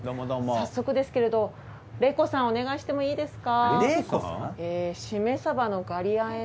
早速ですけれど玲子さんお願いしてもいいですか？